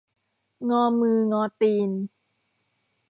งอมืองอตีน